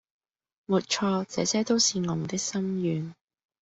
沒錯，這些都是我們的心願